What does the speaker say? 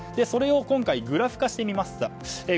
それを今回グラフ化してみました。